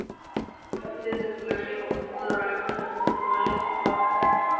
Casi desde el primer año comenzó a colaborar con la revista "Naturaleza y Pueblo".